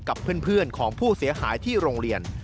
กับเพื่อนของผู้เสียหายที่โรงเรียน